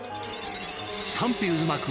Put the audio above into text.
賛否渦巻く